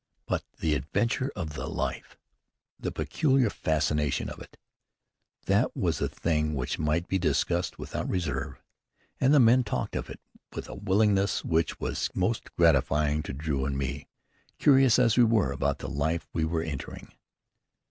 But the adventure of the life, the peculiar fascination of it that was a thing which might be discussed without reserve, and the men talked of it with a willingness which was most gratifying to Drew and me, curious as we were about the life we were entering.